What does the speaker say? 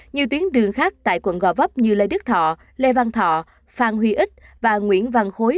nhiều tuyến đường khác tại quận gò vấp như lê đức thọ lê văn thọ phan huy ích và nguyễn văn khối